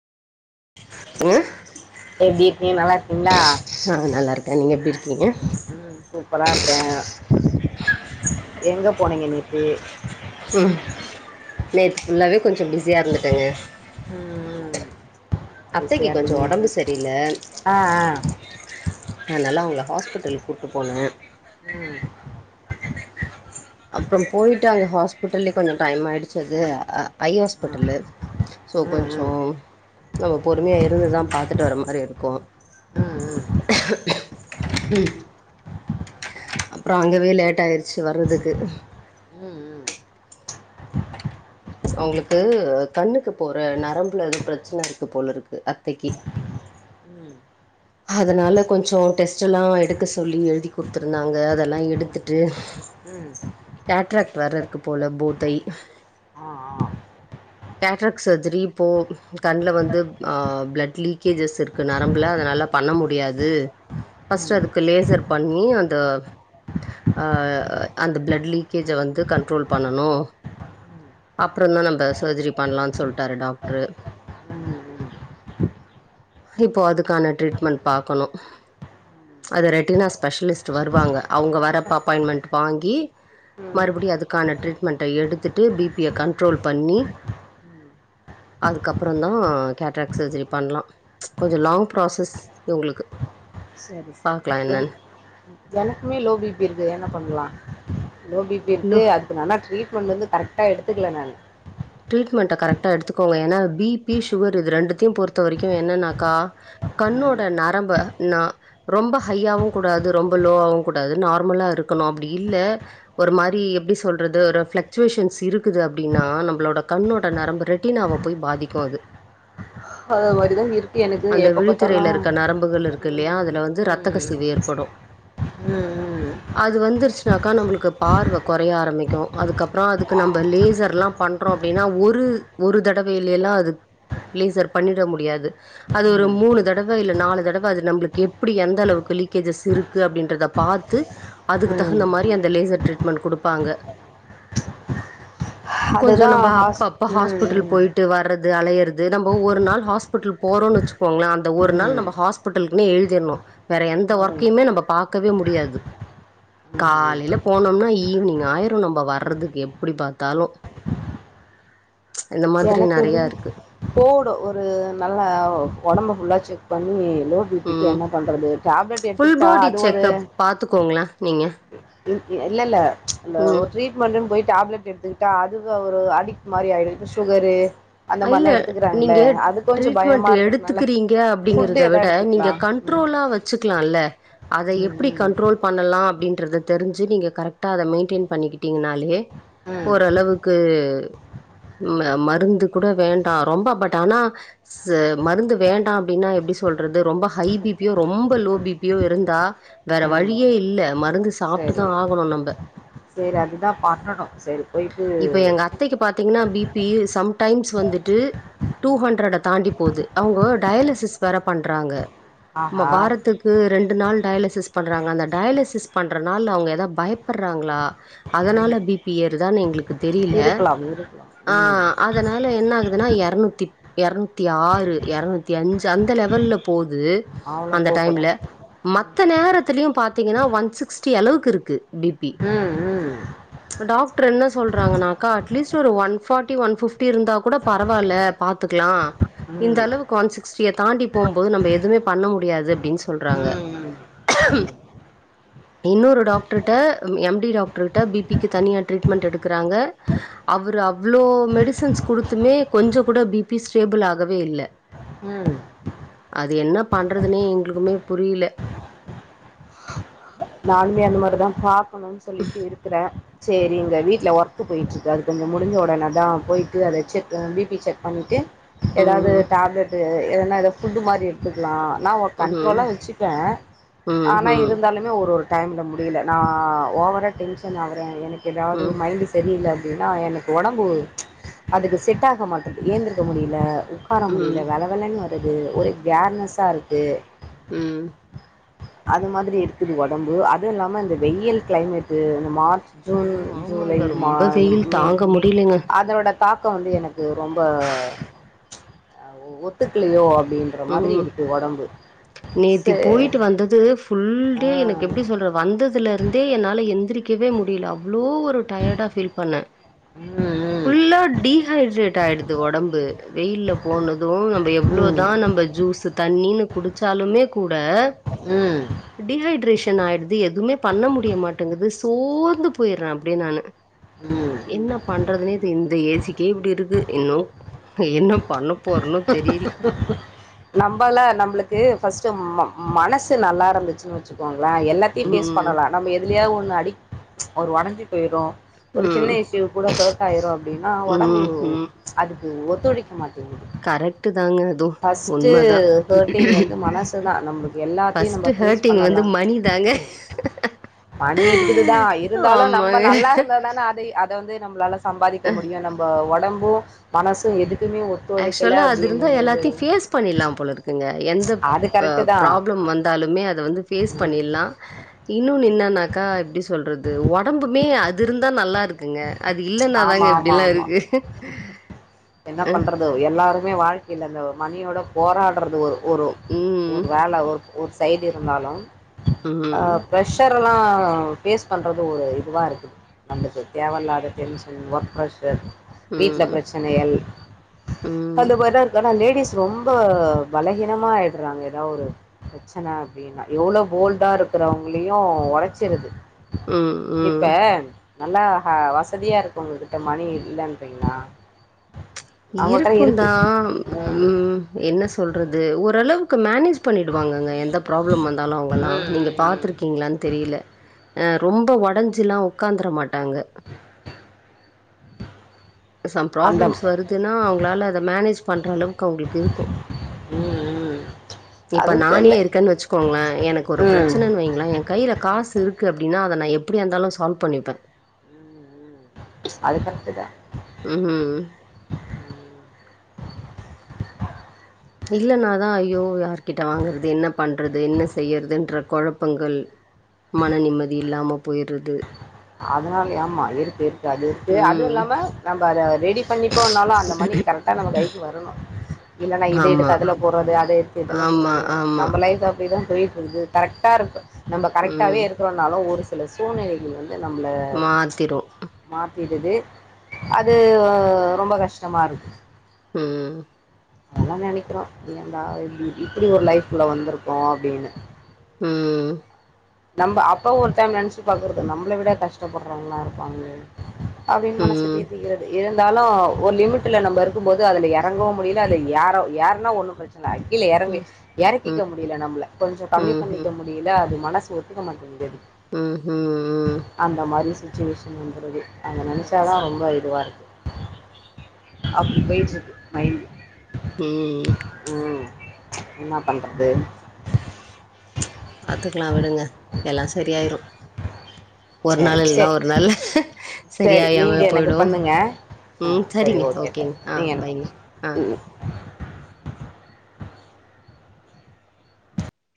ங்க எப்டி இருக்கீங்க நல்லா இருக்கீங்ளா ஆ நல்லா இருக்கே நீங்க எப்டி இருக்கீங்க ம் சூப்பரா இருக்கே எங்க போனீங்க நேத்து ம் நேத்து ஃபுல்லாவே கொஞ்சொ பிஸியா இருந்துடேங்க ம் ம் அத்தக்கி கொஞ்சோ ஒடம்பு சரியில்ல ஆ ஆ அதுனால அவுங்கள ஹாஸ்பிட்டலுக் கூட்டு போனு ம் அப்றொம் போய்ட்டு அங்க ஹாஸ்பிட்டல்லே கொஞ்சொ டைம் ஆய்டுச்சு அது ஐ ஆ ஹாஸ்பிட்டலு சோ கொஞ்சொ ம் நம்ம பொறுமையா இருந்துதா பாத்துட்டு வர மாரி இருக்கு ம் ம் ம் ம் அப்றொ அங்கவே லேட் ஆய்ர்ச்சு வர்றதுக்கு ம் ம் அவுங்களுக்கு கண்ணுக்கு போற நரம்புல எது பிரச்சன இருக்கு போலருக்கு அத்தக்கி ம் ம் அதுனால கொஞ்சொ டெஸ்ட்டெல்லா எடுக்க சொல்லி எழுதி குடுத்துருந்தாங்க அதெல்லா எடுத்துட்டு ம் ம் கேட்ராக்ட் வேற இருக்கு போல போத் ஐ ஆ ஆ கேட்ராக் சர்ஜரி இப்போ கண்ணுல வந்து ப்ளட் லீக்கேஜஸ் இருக்கு நரம்புல அதனால பண்ண முடியாது ம் பஸ்ட் ம் அதுக்கு லேசர் பண்ணி அந்த அ அந்த பிளட் லீக்கேஜ வந்து கண்ட்ரோல் பண்ணனு அப்புறதா அந்த சர்ஜரி பண்ணலாம்னு சொல்லிட்டாரு டாக்டரு ம் ம் ம் ம் இப்போ அதுக்கான ட்ரீட்மெண்ட் பாக்கணு அது ரெட்டினா ஸ்பெஷலிஸ்ட் வருவாங்க அவங்க வரப்ப அப்பாயின்மெண்ட் வாங்கி மறுபடி அதுக்கான ட்ரீட்மெண்ட்ட எடுத்துட்டு பிபிய கண்ட்ரோல் பண்ணி அதுக்கப்புறதா கேட்ராக் சர்ஜரி பண்ணலா கொஞ்ச லாங் ப்ராசஸ் உங்களுக்கு செரி செரி எனக்குமே லோ பிபி இருக்கு என்ன பண்ணலா லோபி இப்படி லோ இருக்கு அதுக்கு ஆனா ட்ரீட்மென்ட் வந்து கரெக்டா எடுத்துக்கல நானு ட்ரீட்மெண்ட்ட கரெக்டா எடுத்துக்கோங்க ஏன்னா பிபி சுகர் இது ரெண்டுத்தையு பொறுத்த வரைக்கு என்னன்னாக்கா கண்ணோட நரம்ப ந ரொம்ப ஹையாவவு கூடாது ரொம்ப லோவவு கூடாது நார்மலா இருக்கணு அப்படி இல்ல ஒரு மாரி எப்படி சொல்றது ஒரு பிள்சுவேஷன்ஸ் இருக்குது அப்படின்னா நம் மளோட கண்ணோட நரம்ப ரெட்டினாவ போய் பாதிக்கு அது அது மாதிரி தான் இருக்குது எனக்கு அந்த எப்போ விழித்திரையில பார்த்தாலும் இருக்க நரம்புகள் இருக் இல்லையா அதுல வந்து ரத்த ம் ம் கசிவு ஏற்படு ம் அது வந்துருச்சுன்னாக்கா நம்மளுக்கு பார்வ குறைய ஆரம்பிக்கு அதுக்கப்புற அதுக்கு நம்ம லேசர் எல்லா பண்றோ அப்படின்னா ஒரு ஒரு தடவல எல்லா அது லேசர் பண்ணிட முடியாது அது ஒரு ம் மூணு தடவ இல்ல நாலு தடவ அது நம்மளுக்கு எப்படி எந்த அளவுக்கு லீக்கேஜஸ் இருக்கு அப்படின்றத பாத் து அதுக்கு ம் தகுந்த மாதிரி அந்த லேசர் ட்ரீட்மெண்ட் கொடுப்பாங்க கொஞ்ச அதுதா நம்ம ஹாஸ் அப்ப அப்ப ஹாஸ்பிட்டல் ம் போயிட் வர்றது அலையறது நம்ம ஒரு நாள் ஹாஸ்பிட்டல் போறோ வச்சுக்கோங்கள அந்த ஒரு நாள் ம் நம்ம ஹாஸ்பிட்டல் பிட்டலுக்கு எழுதிடணு வேற எந்த ம் ஒர்க்கையுமே நம்ம பாக்கவே முடியாது ம் காலைல போனோம்னா ஈவினிங் ஆயிரும் நம்ம வர்றதுக்கு எப்படி பாத்தாலு மாதிரி எனக்குது நெறையா இருக்கு போவனு ஒரு நல்ல உடம்பு ஃபுல்லா செக் பண்ணி லோ பபிக்கு ம் என்ன பண்றது டப்லெட் ஃபுல் எடுத்துக்கிட்டா பாடி அது ஒரு செக்கப் பாத்துக்கோங்களே நீங்க இல்ல இல்ல அந்த ம் ஒரு ட்ரீட் மென்ட் போய் டப்லெட் எடுத்துக்கிட்டா அதுக்கு ஒரு அடிக்ட் மாதிரி ஆயிரு இந்த சுகரு அந்த இல்ல மாரிலா எடுத்துக்கிறாங்கள நீங்க அது கொஞ்சோ ட்ரீட்மெண்ட் பயமா இருக்கறதுனால எடுத்துக்கிறீங்க ஃபுட் அப்படிங்கறத எதா விட எடுத்துக்கலா நீங்க ம் கண்ட்ரோலா வச் ச்சுக்கலால்ல அத எப்படி ம் கண்ட்ரோல் பண்ணலா அப்படின்றத தெரிஞ்சு நீங்க கரெக்டா அத மெயின்டென் பண்ணிக்கிட்டீங்கனாலே ம் ஓரளவு க்கு மருந்துக் கூட வேண்டா ரொம்ப பட் ஆனா மருந்து வேண்டா அப்படின்னா எப்படி சொல்றது ரொம்ப ஹை பிபியோ ரொம்ப லோ பிபியோ இருந்தா வேற ம் ம் வழியே இல்ல மருந்து சாப்பிட்டுதா ஆகணு நம்ம செரி அதுதா பண்ணணு செரி போயிட்டு இப்ப எங்க அத்தைக்கு பாத்தீங்கன்னா பி பி சம் டைம்ஸ் வந்துட்டு டூ ஹண்ரட் தாண்டி போகுது அவங்க டயலிசிஸ் வேற பண்றாங்க அமா ஆஹா! வாரத்துக்கு ரெண்டு நாள் டயலிசிஸ் பண்றாங்க அந்த டயலிசிஸ் பண் ற நாள அவங்க ஏதாது பயப்படுறாங்களா ம். அதனால பி பி ஏருதா எங்களுக்கு தெரில இருக்கலாம், இருக்கலாம். ஆ ம். அதனால என்ன ஆகுதுன்னா எறநூத்தி எரநூத்தி ஆறு எரநூத்தி அஞ்சு அந்த லெவல்ல போது அவ்ளோ அந்த டைம்ல போக்கூடாது. மத்த நேரத்திலயு பாத்தீங்கன்னா ஒன் சிக்ஸ்டி அளவுக்கு இருக்கு பிபி ம், ம். டாக்டர் என்ன சொல்றாங்கானாக்க அட்லீஸ்ட் ஒரு ஒன் ஃபாட்டி ஒன் பிப்டி ட்டு இருந்தா கூட பரவாயில்ல பாத்துக்கலா இந்த ம். அளவுக் ஒன் சிக்ஸ்டிய தாண்டி போம்போது நம்ம எதுமே பண்ண முடியாது அப்டின்னு சொல்றாங்க ம், ம். ம். இன்னொரு டாக்டர்ட்ட எம்டி டாக்டர்ட்ட பிபிக்கு தனியா ட்ரீட்மெண்ட் எடுக்றாங்க அவரு அவ்ளோ மெடிஸ் சன்ஸ் குடுத்துமே கொஞ்சோ கூட பிபி ஸ்டேபிள் ஆகவே இல்ல ஆ அது என்ன பண்றதுனே எங்களுக்குமே புரில நானுமே அந்த மாரிதா பாக்கணுன் சொல்லிட்டு இருக்கிறே சேரி இங்க வீட்ல ஒர்க் போய்ட்டு இருக்கு அது கொஞ்சோ முடிஞ்ச ஒடனே தா போய்ட்டு அத செக் பிபி செக் பண்ணிட்டு எதாவது ம் டேப்லெட்டு எதனா எதா புட்டு மாரி இரு வச்சிகலாம் நா ஒரு ம் கன்ட்ரோலா வச்சுப்பே ம் ஆனா ம் இருந்தாலும் மே ஒரு ஒரு டைம்ல முடில நா ஓவரா டென்ஷன் ஆவுறே எனக்கு எதாவது ம் மைண்ட் தெரில அப்டின்னா எனக்கு ஒடம்பு அதுக்கு செட் ஆக மாட்டது ஏந்திருக்க முடியல உக்காரமுடில ம் வல வலன்னு வருது ஒரே கேர்னஸ்ஸா இருக்கு ம் அது மாரி இருக்குது ஒடம்பு அதுவு இல்லாம இந்த வெயில் கிளைமேட்டு இந்த மார்ச் ஜூன் ஐயோ ஜூலை ஆமாங்க ரொம்ப மாதம் வெயில் மே தாங்க முடியலங்க அதோட தாக்கோ வந்து எனக்கு ரொம்ப ஒத்துக்லயோ அப்டின் ம் நேத்தி சே போயிட்டு வந்தது ஆ ஃபுல்டே எனக்கு எப்டி சொல்றது வந்ததுல இருந்தே என்னால எந்திரிக்கவே முடில அவ்ளோ ஒரு டயர்டா ஃபீல் பண்ணே ம் ஃபுல்லா டீஹைட்ரேட் ஆயிடுது ஒடம்பு வெயில்ல போனதும் நம்ம எவ்ளோ ம் தா நம்ப ஜூஸ் தண்ணீனு குடிச்சாலுமே கூட ஆ டீஹைட்ரேஷன் ஆயிடுது எதுமே பண்ண முடியமாட்டேங்குது சோர்ந்து போய்றே அப்டியே நானு ம் ம் என்ன பண்றதுனே தெ இந்த ஏஜுக்கே இப்டி இருக்கு இன்னு என்ன பண்ண போறணோ தெரில நம்பலா நம்பளுக்கு ஃபஸ்ட்டு ம மனசு நல்லா இருந்துச்சின் வச் சிக்கோங்களே எல்லாத்தையு ஃபேஸ் ம் பண்ணலா நம்ம எதுலேயாது ஒன்னு அடிக் ஒரு ஒடஞ்சி போய்றோ ஒரு ம் சின்ன விஷ் யோ கூட ஹார்ட் ஆயிரோ அப்டினா ஒடம்பு ம் ம் அதுக்கு ஒத்துழைக்க மாட்டேங்குது கரெக்ட்டு தாங்க அது பஸ்ட்டு ஹர்ட்டிங் வந்து மனசு தா நம்ளுக்கு எல்லாத்தையு நம்ம ஃபஸ்ட்டு ஃபேஸ் ஹேர்ட்டிங் பண்ணலா வந்து மணி தாங்க மணி இருக்குதுதா இருந்தாலு நம்ம நல்லா ஆமாங்க இருந்தா தான அத அ அத வந்து நம்மளால சம்பாதிக்க முடியு நம்ம ஒடம்பு மனசு எதுக்குமே ஒத் அக்சுவலா அது இருந்தா எல்லாத்தையு பேஸ் பண்ணிலாம் போல இருக்குங்க எந்த அது ப கரெக்டு தான் ப்ராப்ளம் வந் தாலுமே அத வந்து ஃபேஸ் ம். பண்ணிட்லா இன்னோன்னு ம். என்னானாக்கா எப்டி சொல்றது ஒடம்புமே அது இருந்தா நல்லா இருக்குங்க அது ஆமா இல்லன்னாதாங்க ஆமா இப்டிலா ஆமா இருக்கு தோ எல்லாருமே வாழ்க்கைல அந்த மணியோட போராட்றது ஒரு ஒரு ஒரு ம். வேல ஒரு ஒரு சைடு இருந்தாலு ஆ ம். பிரஷ் ஷரெல்லா ஃபேஸ் பண்றது ஒரு இதுவா இருக்குது நம்ளுக்கு தேவல்லாத டென்ஷன் ஒர்க் பிரஷர் வீட்ல ம். பிரச்சனைகள் அந்த ம். மாரிதா இருக்கு ஆனா லேடிஸ் ரொம்ப பலகீனமா ஆய்ட்றாங்க எதா ஒரு பிரச்சன அப்டின்னா எவ்ளோ போல்டா இருக்கிறவங்களையு ஒடச்சிருது ம். இப்ப ம். நல்லா ஹா வசதியா இருக்கவங்ககிட்ட மணி இல்லன்றீங்ளா இருக்கு தா ம் என்ன சொல்றது ஓரளவுக்கு மனேஜ் பண்ணிடுவாங்கங்க எந்த ப்ராப்ளம் வந்தாலு அவங்கல்லா ம் நீங்க ம் ம் பாத்துரு க்கீங்களான்னு தெரியில ஆ ரொம்ப ஒடஞ்சில்லா உக்காந்துர மாட்டாங்க சம் அந்த ம் ப்ராப்ளம்ஸ் வருதுன்னா அவங்களால அத மேனேஜ் பண்ற அளவுக்கு அவங்களுக்கு இருக்கு ம் இப்ப அதுவும் நானே தெர்ல இருக்கன் வச்சுக்கோங்களே எனக்கு ஒரு ம் பிரச்சனைன்னு வைங்களே கையில காசு இருக்கு அப்டின்னா அத நா எப்டியா இருந்தாலு சால்வ் பண்ணிப்பே அதுக்கடுத்துதா ம் இல்லனாதா ஐயோ யார்கிட்ட வாங்கறது என்ன பண்றது என்ன செய்றதுன்ற கொழப்பங்கள் மன நிம்மதி இல்லாம போயிறுது அதுனாலயே ஆமா இருக்கு இருக்கு அது இருக்கு அதுவு ம் இல்லாம நம்ம அத ரெடி பண்ணிப்டோனாலு அந்த மணி கர் ட்டா நம்ம கைக்கு வரணு இல்லனா இத ஆமா எடுத்து அதுல போட்றது அத எடுத்து இதுல ஆமா போட்றது ஆமா நம்ம லைஃப் அப்டிதா போயிட்டுருக்கு கரெக்டா இருக்கு நம்ம கரெக்டாவே ம் இருக்கிறோனாலு ஒரு சில சூழ்நிலைகள் வந் து நம்ள மாத்திரு மாத்திடுது அது ரொம்ப கஷ்டமா இருக்கு ம் அதா நெனைக்குறோ ஏண்டா இப்டி இப்டி ஒரு லைஃப்ல வந்துருக்கோ அப்டின்னு ம் நம்ப அப்பவு ஒரு டைம் நனச்சு பாக்குறது நம்ள விட கஷ்டப்படுறவங்களா இருக்காங்கனு அப்டின் மனச ம் தேத்திக்கிற இருந்தாலு ஒரு லிமிட்ல நம்ம இருக்கும் போது அதுல எறங்கவு முடியில அதுல ஏற ஏறுனா ஒன்னு பிர சன அது கீழ ம் எறங்கு ம் ம் ம் எறக்கிக்க முடியில நம்பள கொஞ்சொ கம்மி ம் பண்ணிக்க முடியில அது மனசு ஒ த்துக்க மாட்டேங்குது அது ம் ஹீம் அந்த மாறி சுச்சுவேஷனுன்றது அத ம் நெனச்சாதா ரொம்ப இதுவா இருக்கு அப்டி போயிட்டு இருக்கு [unintelligible] ம் ம் என்ன பண்றது பாத்துக்குலா விடுங்க எல்லா சரியாயிரு ஒரு சரி நாள் இல்னா சே ஒரு நாள் சரி சரியாகியாம நீங்கள் எனக்கு போய்டு பண்ணுங்க ஆ ம் சரி சரிங்க ஓகே ஓகேங்க தேங்க்ஸ் ஆ நீங்கள் எனக்கு பண்ணுங்க பாய்ங்க ஆ ம்